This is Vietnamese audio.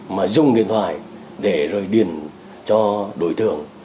mà dùng điện thoại để rồi điền cho đối tượng